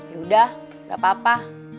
yaudah gak apa apa